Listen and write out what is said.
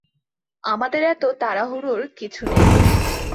আমাদের এত তাড়াহুড়োর কিছু নেই।